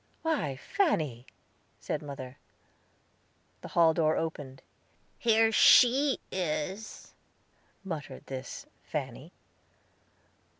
"Why, Fanny!" said mother. The hall door opened. "Here she is," muttered this Fanny.